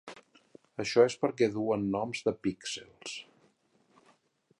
Això és perquè duen noms de píxels.